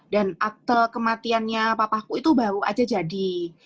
dan akte kematiannya papaku itu baru aja jadi